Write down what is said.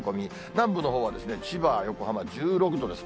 南部のほうは千葉、横浜１６度です。